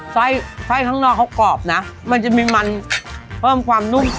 ไส้ไส้ข้างนอกเขากรอบนะมันจะมีมันเพิ่มความนุ่ม